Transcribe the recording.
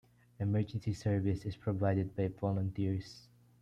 Emergency service is provided by volunteers.